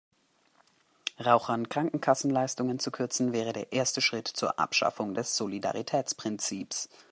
Rauchern Krankenkassenleistungen zu kürzen, wäre der erste Schritt zur Abschaffung des Solidaritätsprinzips.